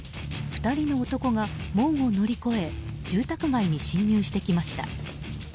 ２人の男が門を乗り越え住宅街に侵入してきました。